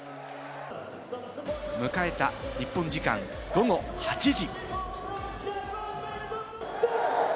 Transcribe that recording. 迎えた日本時間午後８時。